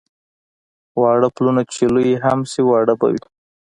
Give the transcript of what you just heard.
واړه پلونه چې لوی هم شي واړه به وي.